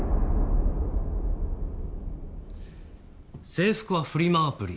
制服はフリマアプリ。